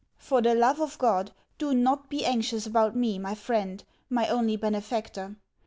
For the love of God do not be anxious about me, my friend, my only benefactor.